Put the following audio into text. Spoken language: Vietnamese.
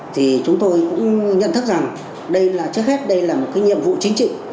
thì chúng tôi cũng nhận thức rằng đây là trước hết đây là một cái nhiệm vụ chính trị